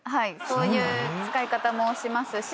そういう使い方もしますし。